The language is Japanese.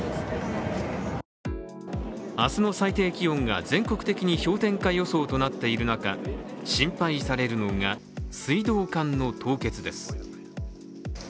明日の最低気温が全国的に氷点下予想となっている中、心配されるのが、水道管の凍結です。